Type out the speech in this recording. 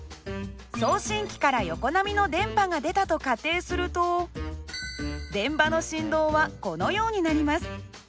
送信機から横波の電波が出たと仮定すると電場の振動はこのようになります。